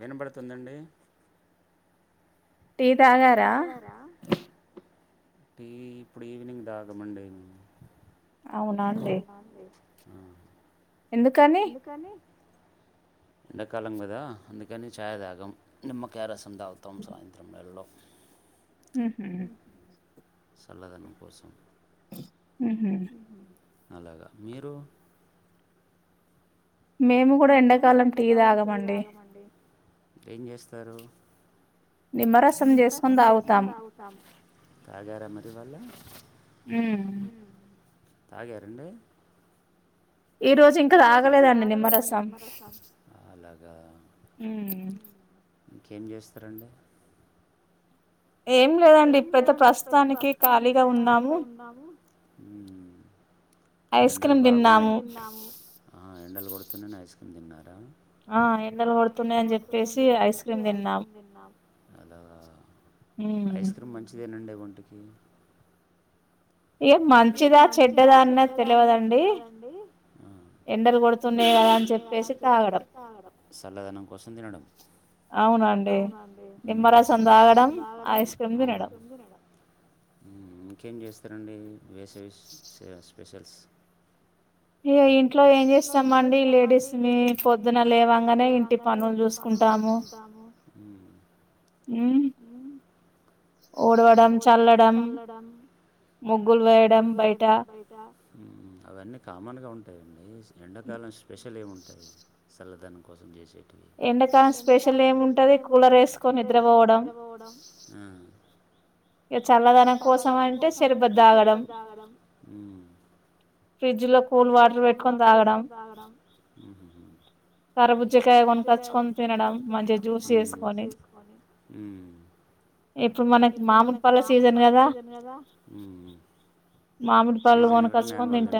వినబడుతుందండి [unintelligible] టీ తాగారా. టీ ఇప్పుడు ఈవినింగ్ దాగ మండి. అవునా అండి ఎందుకని ఎండాకాలం కదా అందుకని చాయ్ తాగం నిమ్మకాయ్ రసం తాగుతాం సాయంత్రం వేళలో ఊహుం సల్లదనం కోసం వుహుమ్ అలాగా మీరు మేము కూడా ఎండాకాలం టీ తాగమండి. ఏం చేస్తారు. నిమ్మరసం చేసుకొని తాగుతాం తాగేరండి. ఈ రోజు ఇంకా తాగలేదండి నిమ్మ రసం. ఇంకేం చేస్తారండి. ఏం లేదండి ఇప్పుడయితే ప్రస్తుతానికి ఖాళీగా ఉన్నాము ఐస్ క్రీమ్ తిన్నాము. దిన్నారా ఆ ఎండలు పడుతూ ఐస్ క్రీమ్ మంచిదేనండి. వంటికి ఈళ్ళకు మంచిదా చెడ్డదా అన్నది తెలవదండి. ఆ ఎండలు కొడుతున్నాయ్ కద అని చెప్పేసి తాగడం చల్లదనం కోసం తినడం అవునండి ఊహుం నిమ్మరసం తాగడం తినడం ఇంకేం చేస్తారండి. పెసవిస్ చైనా స్పెషల్స్. యో ఇంట్లో ఏం చేస్తామండి లేడీస్ మీ పొద్దున లేవంగానే ఇంటి పనులు చూసుకుంటాము. హమ్ డ చల్లడం ముగులు వేయ బయ అవన్నీ కామన్ గా ఉంటాయండి ఎండాకాలం స్పెషల్ ఏంటా సల్లదనం కోసం చేసే ఎండకాల స్పెషల్ ఏముంటుంది కూలర్ వేసుకొని నిద్రపోవడం ఇ చల్లదనం కోసం అంటే సరిబ తాగడం ఫ్రిడ్జ్లో కూల్ వాటర్ పెట్కుని తాగడం కరబుజ్జకాయ కొని పచ్చుకొని తినడం మళ్ళీ జ్యూస్ చేసుకొని సీజన్ కాబట్టి మంగోలు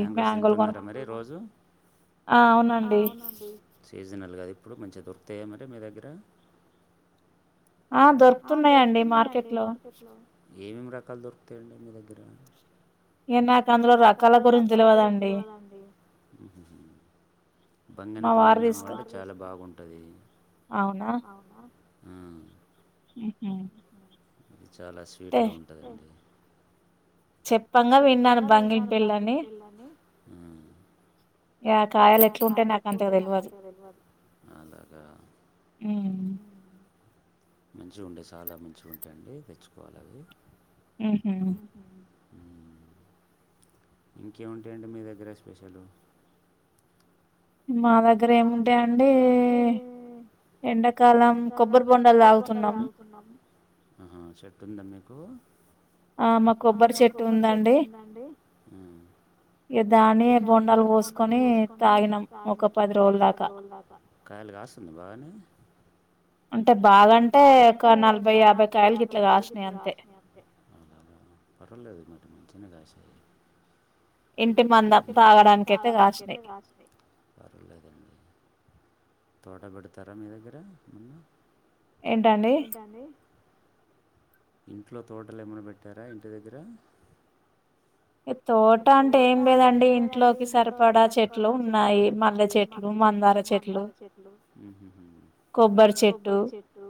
మాంగోస్ తింటునారా మరి రోజు సీజనల్ కాదు ఇప్పుడు మంచిగ దొరుకుతాయి మరి మీ దగ్గర ఆ దొరుకుతున్నాయండి మార్కెట్ లో ఏమేమి రకాలు దొరుకుతాఎండీ మీ దగ్గర అందులో రకాల గురించి తెలీదండి బంగనపల్లి మమవాంట చాలా బాగుంటది అవునా హమ్ చాలా స్వీట్గ ఉంటుందండి చెప్పంగా విన్నాను బంగినె పండ్లు, ఆ కాయలు ఎట్లుంటేయ నాకు అంతకు తెలివదు మంచి ఉండే చాలా మంచి ఉంటాయండి తెచ్చుకోవాలి అవి ఇంకేముంటాయండి మీ దగ్గర స్పెషల్ మా దగ్గర ఏముంటాయండి ఎండాకాలం కొబ్బరి బొండలు తలాగుతున్నాం చెట్తుందా మీకు ఆ మా కొబ్బరి చెట్టు ఉందండి ఇ దాన్ని బొండాలు కోసుకొని తాగినం ఒక పది ఒక పది రోజుల దాకా కాయలు కాస్తుంద బాగానే అంటే బాగాంటే ఒక నలభై యాభై కాయలకి కాసినాయి అంతే పట్టలేదు మ ఇంటి మంద తాగడానికైతే కాసిన్నై తోటబడతారా మీ దగ్గర ఏంటండి ఇంట్లో తోటలు ఏమైనా పెట్టారా ఇంటి దగ్గర తోట అంటే ఏం లేదండి ఇంట్లోకి సరిపడా చెట్లు ఉన్నాయి మొగ్గ చెట్లు మందార చెట్లు కొబ్బరి చెట్లు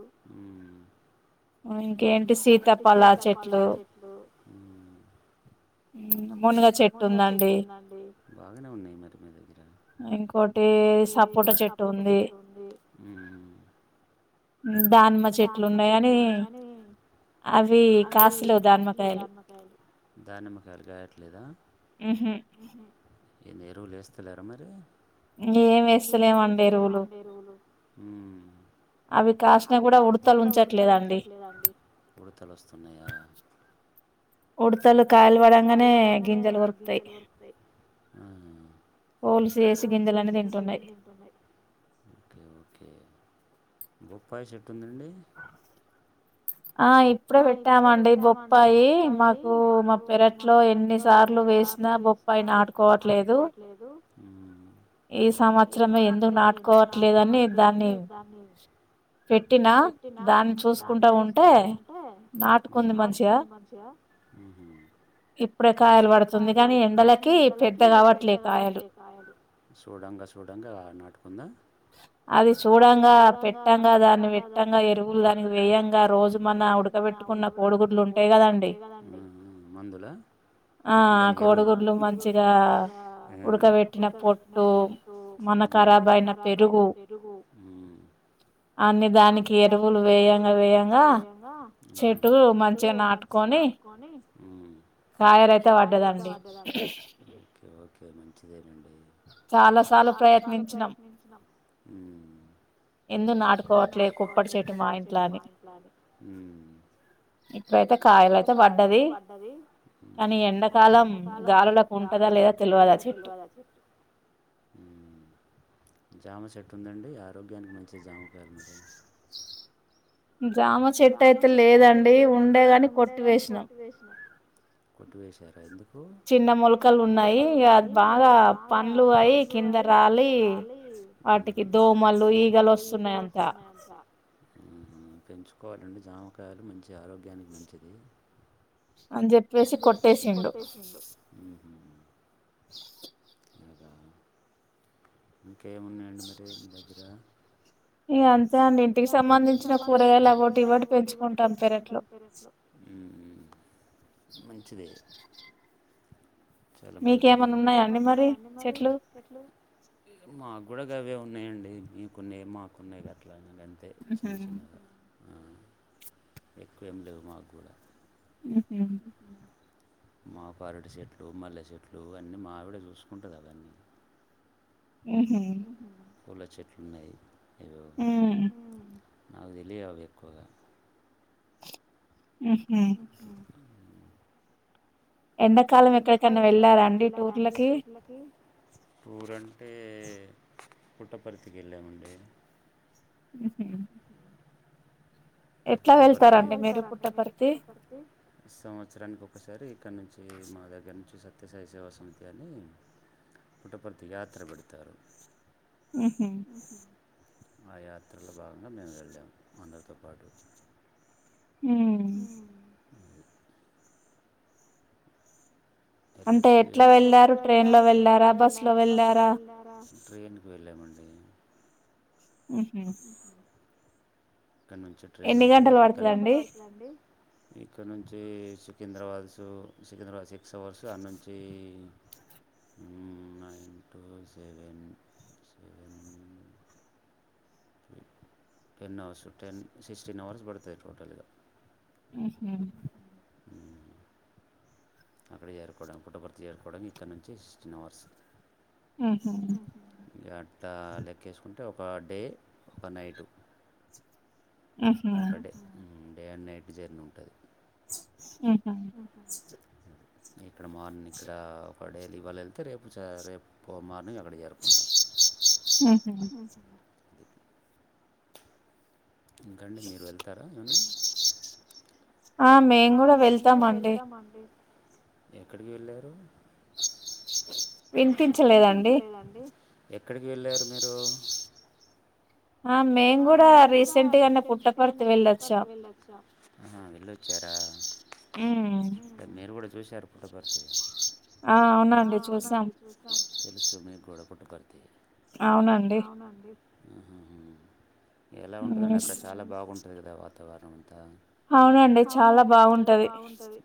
ఇంకేంటి సీతాపల చెట్లు మునగ చెట్టు ఉందండి బాగానే ఉన్నాయి మరి మీ దగ్గర ఇంకోటి సపోట చెట్టు ఉంది దానిమ్మచెట్లు ఉన్నాయి కాని అవి కాస్త లేవు దానిమ్మకాయలు దానిమ్మకాలుగాట్ లేదా మ్ హు ఎన్ని ఎరువులు వేస్తలేరా మరి మేమేం వేస్తలేమండి ఎరువులు అవి కాసిన కూడా ఉడతలు ఉంచట్లేదండి ఉడతలు కాయాలు పడంగానే గింజలు కొరుకుతాయి పోలిసి వేసి గిందుెలుని తింటున్నాయి బొప్పాయ చెట్టు ఉందండి ఆ ఇప్పుడే పెట్టామండి బొప్పాయి మాకు మా పెరట్లో ఎన్ని సార్లు వేసినా బొప్పాయి నాటుకోవట్లేదు ఈ సంవత్సరమే ఎందుకు నాటుకోవట్లేదని దాన్ని పెట్టినా దాన్ని చూసుకుంటా ఉంటే అంటే ఆకుంది మంచిగా ఇప్పుడే కాయలు పడుతుంది కానీ ఎండలకి పెద్దగా కావట్లే కాయలు చూడంగా చూడంగా నాటుకు అది చూడంగా పెట్టంగా దాన్ని పెట్టంగా ఎరువులు దానికి వేయంగా రోజు రోజు మన ఉడట్టుకు కోడిగుడ్లు ఉంటాయి కదంందు కోడిగుడ్లు మంచిగా ఉడకట్టిన పొట్టు మన పెరుగు అన్ని దానికి ఎరువులు వేయంగా వేయంగా చెట్లు మంచిగా నాటుకొని పైరుయితే పడ్డదండి ఓకే మంచిదె చాలాసార్లు ప్రయత్నించినం ఎందు నాటుకోవట్లేదు కుప్పరి చెటు మా ఇంట్ల అని ఇప్పుడైతే కాయలయితే పడ్డది కానీ ఎండాకాలం గాలులకు ఉంటందా లేదా తెలువదు ఆ చెట్టు జామ సెట్ ఉందండి ఆరోగ్యానికి మంచి జామకాయాల జామ చెట్టు అయితే లేదండి ఉండేగాని కొట్టి వేసినాం కొట్టివే చేర ఎందు చిన్న మొలకలు ఉన్నాయి అ బాగా పండ్లు అయి కింద రాలి వాటికి దోమలు ఈగలు వస్తున్నాయి అంత ఉహు పెంచ్ ఇంకోటాన్ని జామకాయలు మంచి ఆరోగ్యానికి మంచిది అని చెప్పేసి కొట్టేసిండు ఏన్నాయండి మరీ మీ దగ్గర ఇ అంతే అండి డిసెంబర్ నుండి కూరగాయలుట అవిటి ఇటి పెంచుకుంటాం పెరటిలో మంచిదే చాలా మంచిది మీకేమన్నా ఉన్నాయాండి మరి చెట్లు ఇప్పుడుకూడా అవే ఉన్నాయండి మీకున్ని మాకున్నాయి గట్లా చిన్న చిన్నగా ఎక్కువేం లేవు మాకు కూడా ఉహు మా పరెడ్ చెెట్లు మల్లె చెెట్లు అన్నీ మావిడ చూసుకుంటదండి అవన్నీ పూల చెట్లు ఉన్నాయి ఏదో హు [inaudible] నాకు తెలియవుఅవి ఎక్కువగా హ్మ్ ఎండాకాలం ఎక్కడికన్నా వెళ్ళారండి టూర్లకి పుట్టపర్తికీ వెళ్ళమండి ఉహ ఎట్ల వెళ్తారండీ మీరు పుట్టపర్తి మా దగ్గర నుంచి సత్యసాయి సేవా సమితి అని పుట్టపర్తి యాత్ర పెడతారు హు హు ఆ యాత్రలో భాగంగా మేము వెళ్ళాము అందరితో పాటు ఉ [inaudible] అయితే ఎట్లా వెళ్లారు ట్రైన్ లో వెళ్లారా బస్ లో వెళ్లారా ఆహ ఇక్కడ నుంచి ట్రైన్ ఉంటది ఎంత గంటలు పడుతుండి ఇక్కడ నుంచి సికింద్రాబాద్స్ సికింద్రాబాద్ సిక్స్ అవర్సు అటనుంచి night seven seven ten hours ten sixteen hours బడుతుంది టోటల్ గ ఆహ అక్కడ చేరుకోవడానికి పుట్టభర్తి చేరుకోవడానికి ఇక్కడ నుంచి సిక్స్టీన్ అవర్స్ మ్ హు యట్ ఇక లెక్కేసుకుంటే ఒక డే ఒక నైటు ఉహు డే అండ్ నైట్ జర్నీ ఉంటది మ్ హు ఇక్కడ మార్నింగ్ ఇక్కడ పడేలి ఇ వాల్లలుతే రేపు చ రేపు మార్ని అక్కడ జరుకుంటాం. ఇంకండి మీరు వెళ్తారా. నన్ను ఆ మేము కూడా వెళ్తామండి. ఎక్కడికి వెళ్ళారు [inaudible] వినిపించలేదండి ఎక్కడికి వెళ్ళారు మీరు ఆ మేము కూడా రీసెంట్గానే పుట్టపర్తి వెళ్ళొచ్చాం. హ హ వెళ్లి చేరారా మీరుబడ చూసార పుట్టపర్తి ఆ అవునండి చూసాం. త మీ గోడకుుట్ పతే అవునండి. హ్ హ్ ఎలా ఉంటదండి. అని అక్కడ చాలా బాగుం- పెగద వాతావరణం అంతా. అవునండి చాలా బాగుంటది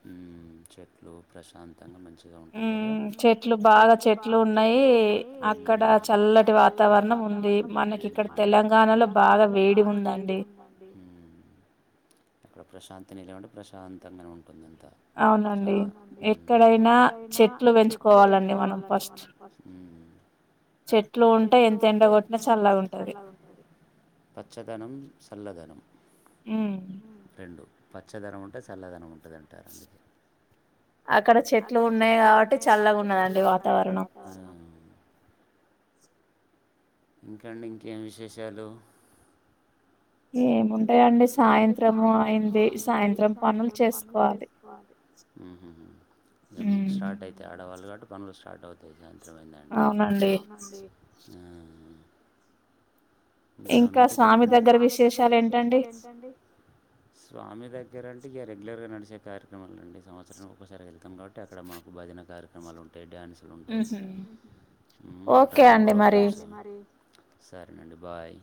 చెట్లు ప్రశాంతంగా మంచి ఉంటది కదా చెట్లు బాగా చెట్లు ఉన్నాయి అక్కడ చల్లటి వాతావరణం ఉంది మనకి ఇక్కడ తెలంగాణలో బాగా వేడి ఉందండి. ఊ అక్కడ ప్రశాంత నిలయమంటే ప్రశాంతంగనే ఉంటుంది చాలా అవునండి. ఎక్కడైనా చెట్లు పెంచుకోవాలండి మనం ఫస్ట్. హ్ చెట్లు ఉంటే ఎంత ఎండ కొట్టిన చల్లగా ఉంటంది. పచ్చదనం, చల్లదనం పచ్చ దనం ఉంటే చల్ల ధనం ఉంటుంది అక్కడ చెట్లు ఉన్నాయి కాబట్టి చల్లగా ఉండదండి వాతావరణం. ఊ ఇంకండి. ఇంకేం విశేషాలు. ఏముంటాయిండి సాయంత్రం అయింది సాయంత్రం పనులు చేసుకోవాలి ఇక మీకు స్టార్ట్ అయితే ఆడవాళ్ళు కాట్టి పనులు స్టార్ట్ అవుతాయి. జాన్ ఏమైందండీ. అవునండి. ఇంకా ఇడ స్వామి దగ్గర విశేషాలు ఏంటండి స్వామి దగ్గర ఇక్కర అంట ఇకెగ్యలర్గా నసే కార్యక్రమాలండి సంవత్సరనికి ఒకసారి వెతాం కాబట్టిక్కడ మాకు బాిన కార్య్రలు ఉంటాయి డాన్స్ అలుంటాయి డ్రామా ప్రోగ్రా సరేనండి దుబాయ్